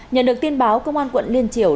nhận được tin báo công an quận liên triều